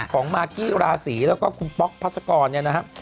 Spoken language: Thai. ของมาร์กี้ราศรีแล้วก็คุณป๊อกพัสกรนี่นะครับ